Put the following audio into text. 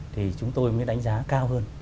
thì chúng tôi mới đánh giá cao hơn